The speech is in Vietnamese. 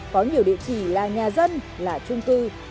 có nhiều địa chỉ là nhà dân là trung cư